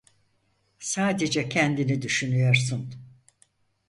Sadece kendini düşünüyorsun.